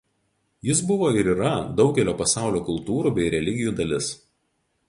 Jis buvo ir yra daugelio pasaulio kultūrų bei religijų dalis.